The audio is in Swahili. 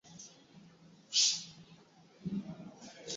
sa ya viama vingi tena nimeueleza huu katika mikutano mbali mbali kwamba